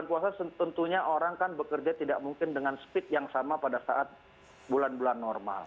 karena tentunya orang kan bekerja tidak mungkin dengan speed yang sama pada saat bulan bulan normal